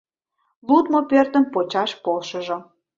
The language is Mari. Лудмо пӧртым почаш полшыжо.